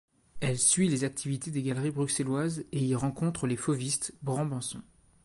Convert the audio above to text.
Elle suit les activités des galeries bruxelloises et y rencontre les fauvistes branbançons.